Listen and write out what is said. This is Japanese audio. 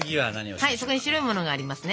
はいそこに白いものがありますね。